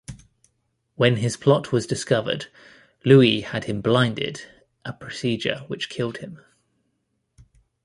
When his plot was discovered, Louis had him blinded, a procedure which killed him.